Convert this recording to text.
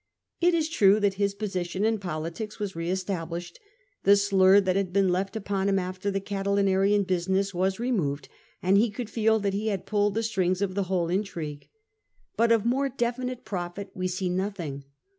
It is true that his position in politics was re established ; the slur that had been left upon him after the Catilinarian business was removed, and he could feel that he had pulled the strings of the whole intrigue. But of more definite profit we see nothing.